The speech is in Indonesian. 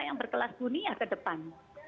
yang berkelas dunia ke depan